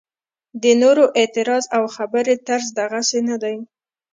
د نورو اعتراض او خبرې طرز دغسې نه دی.